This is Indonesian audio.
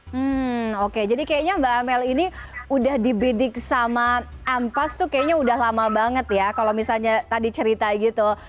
hmm oke jadi kayaknya mbak amel ini udah dibidik sama ampas tuh kayaknya udah lama banget ya kalau misalnya tadi cerita gitu